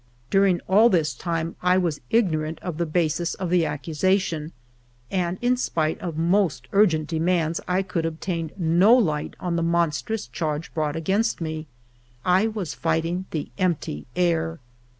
During all this time I was ignorant of the basis of the accusation, and in spite of most urgent de ALFRED DREYFUS 13 mands I could obtain no light on the monstrous charge brought against me. I was fighting the empty air.